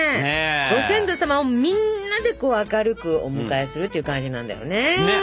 ご先祖様をみんなでこう明るくお迎えするっていう感じなんだよね。